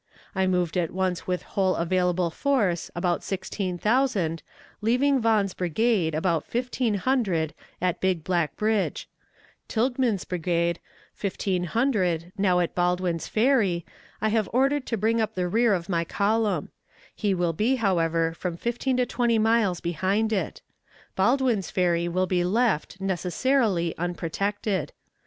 I moved at once with whole available force, about sixteen thousand, leaving Vaughan's brigade, about fifteen hundred, at Big Black Bridge; Tilghman's brigade, fifteen hundred, now at Baldwin's Ferry, I have ordered to bring up the rear of my column; he will be, however, from fifteen to twenty miles behind it. Baldwin's Ferry will be left, necessarily, unprotected.